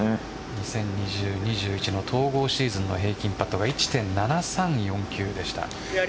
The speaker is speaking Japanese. ２０２０、２０２１の統合シーズンの平均パットが１．７３４でした。